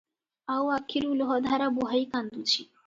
ଆଉ ଆଖିରୁ ଲୁହ ଧାରା ବୁହାଇ କାନ୍ଦୁଛି ।